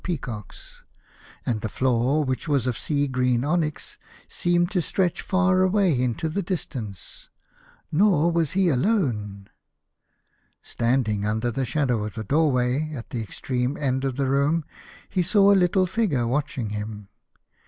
peacocks, and the floor, which was of sea green onyx, seemed to stretch far away into the dis tance. Nor was he alone. Standing under the shadow of the doorway, at the extreme end of the room, he saw a little figure watch ing him.